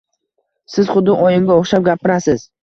Siz xuddi oyimga o`xshab gapirasiz